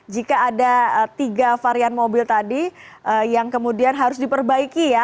jika ada tiga varian mobil tadi yang kemudian harus diperbaiki ya